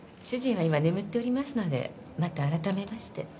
主人は今眠っておりますのでまた改めまして。